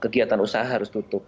kegiatan usaha harus tutup